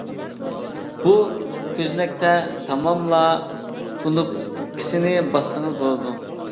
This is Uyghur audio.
بۇ كۆزنەكتە، «تاماملا» كۇنۇپكىسىنى باسسىڭىز بولىدۇ:.